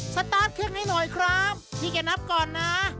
สต๊าตเพลงนี้หน่อยครับพี่คิดนับก่อนน้า